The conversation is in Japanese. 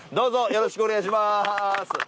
よろしくお願いします。